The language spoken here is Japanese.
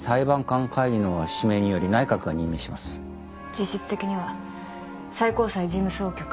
実質的には最高裁事務総局。